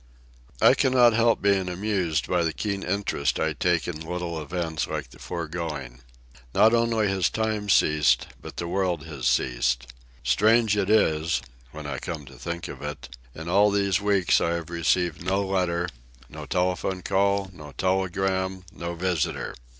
I cannot help being amused by the keen interest I take in little events like the foregoing. Not only has time ceased, but the world has ceased. Strange it is, when I come to think of it, in all these weeks I have received no letter, no telephone call, no telegram, no visitor.